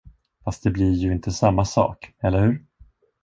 Fast det blir ju inte samma sak, eller hur?